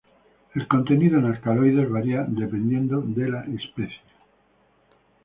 El contenido en alcaloides varía dependiendo de la especie.